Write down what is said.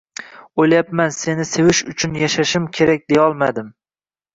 O’layapman seni sevish uchun yashashim kerak deyolmadim.